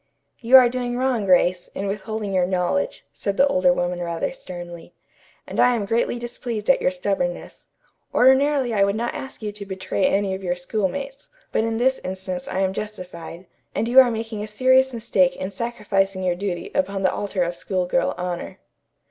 "You are doing wrong, Grace, in withholding your knowledge," said the older woman rather sternly, "and I am greatly displeased at your stubbornness. Ordinarily I would not ask you to betray any of your schoolmates, but in this instance I am justified, and you are making a serious mistake in sacrificing your duty upon the altar of school girl honor."